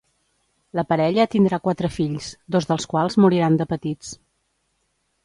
La parella tindrà quatre fills, dos dels quals moriran de petits.